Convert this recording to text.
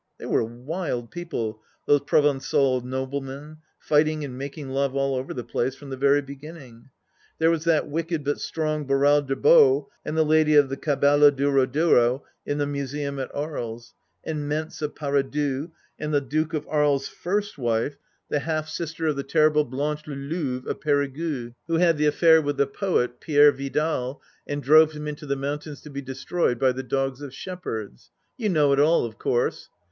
They were wild people, those Provencal noblemen, fighting and making love all over the place, from the very beginning. There was that wicked but strong Barral des Baux, and the lady of the Cabellodourod'oro (in the Museum at Aries), and Macntz of Paradou, and the Duke of Aries' first wife, the 184 THE LAST DITCH half sister of the terrible Blanche la Louve of Perigueux, who had the affair with the poet Pierre Vidal and drove him into the mountains to be destroyed by the dogs of shepherds. You know it all, of course.